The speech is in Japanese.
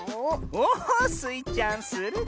おおスイちゃんするどいね。